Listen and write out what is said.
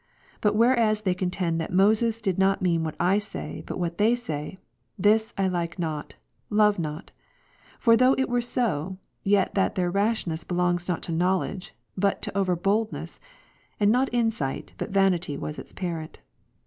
But whereas they contend that Moses did not mean what I say, but what they say, this I like not, love not : for though it were so, yet that their rashness belongs notto knowledge, but to overboldness, and not insight but vanity was its parent.